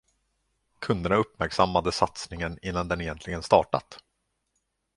Kunderna uppmärksammade satsningen innan den egentligen startat.